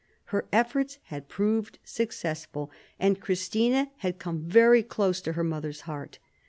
Her efforts had proved successful, and Christina had come very close to her mother's heart.